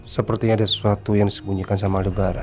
sepertinya ada sesuatu yang disembunyikan sama lebaran